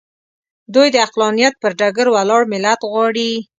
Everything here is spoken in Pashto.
دوی د عقلانیت پر ډګر ولاړ ملت غواړي.